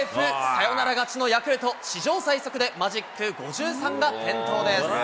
サヨナラ勝ちのヤクルト、史上最速でマジック５３が点灯です。